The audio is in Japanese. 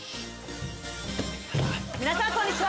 皆さんこんにちは。